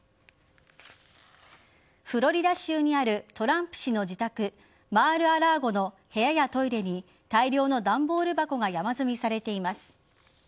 フロリダ州にあるトランプ氏の自宅マールアラーゴの部屋やトイレに大量の段ボール箱が山積みされています。